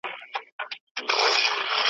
هغه شاعر هېر که چي نظمونه یې لیکل درته ,